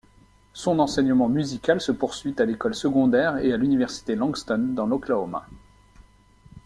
Son enseignement musical se poursuit à l'école secondaire et à l'Université Langston dans l'Oklahoma.